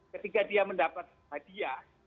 ketika dia mendapat hadiah